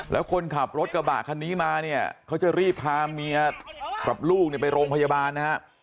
แล้วคนขับรถกระบะคันนี้มาเนี่ยเขาจะรีบพาเมียกับลูกเนี่ยไปโรงพยาบาลนะฮะ